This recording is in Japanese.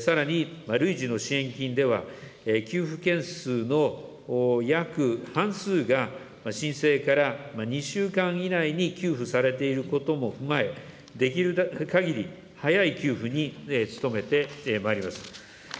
さらに、類似の支援金では、給付件数の約半数が、申請から２週間以内に給付されていることも踏まえ、できるかぎり早い給付に努めてまいります。